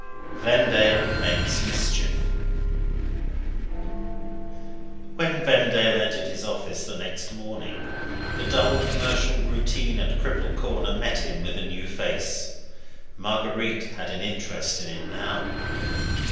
VENDALE MAKES MISCHIEF When Vendale entered his office the next morning, the dull commercial routine at Cripple Corner met him with a new face. Marguerite had an interest in it now!